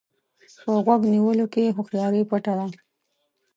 په غوږ نیولو کې هوښياري پټه ده.